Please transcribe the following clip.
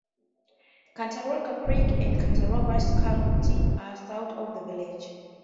Cattaraugus Creek and Cattaraugus County are south of the village.